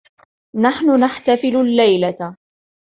نحن نحتفل الليلة.